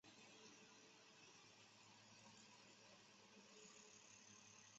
次年进入第三届三星杯本赛后第一轮再次败给小林觉。